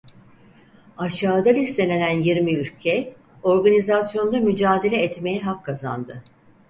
Aşağıda listelenen yirmi ülke organizasyonda mücadele etmeye hak kazandı.